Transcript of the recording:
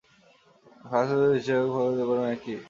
Fire সার্ভিসের হিসাবেও ক্ষয়ক্ষতির পরিমাণ একই।